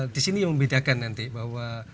disini membedakan nanti bahwa